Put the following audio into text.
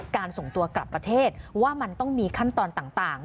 ส่งตัวกลับประเทศว่ามันต้องมีขั้นตอนต่าง